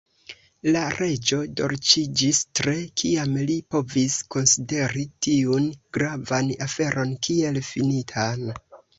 La Reĝo dolĉiĝis tre, kiam li povis konsideri tiun gravan aferon kiel finitan.